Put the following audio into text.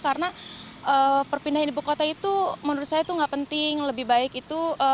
karena perpindahan ibu kota itu menurut saya itu nggak penting lebih baik itu